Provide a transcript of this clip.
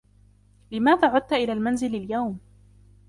لماذا عُدْتَ إلى المنزلِ اليوم ؟